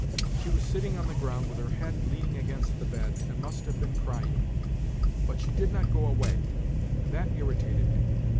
She was sitting on the ground with her head leaning against the bed, and must have been crying. But she did not go away, and that irritated me.